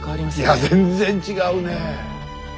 いや全然違うね。